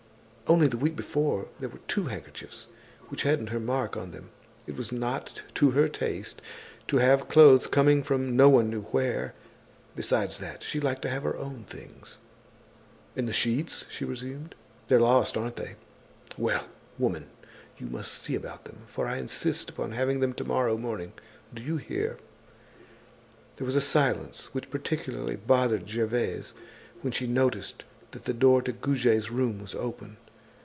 Only the week before, there were two handkerchiefs which hadn't her mark on them. It was not to her taste to have clothes coming from no one knew where. Besides that, she liked to have her own things. "And the sheets?" she resumed. "They're lost, aren't they? Well! Woman, you must see about them, for I insist upon having them to morrow morning, do you hear?" There was a silence which particularly bothered Gervaise when she noticed that the door to Goujet's room was open.